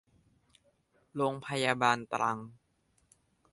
โรงพยาบาลตรัง